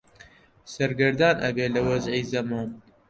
سەرگەردان ئەبێ لە وەزعی زەمان